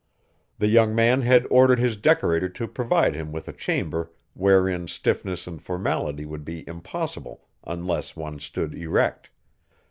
The young man had ordered his decorator to provide him with a chamber wherein stiffness and formality would be impossible unless one stood erect.